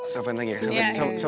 sopan lagi ya